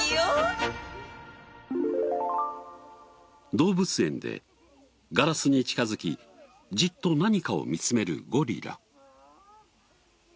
動物園でガラスに近づきじっと何かを見つめるゴリラ。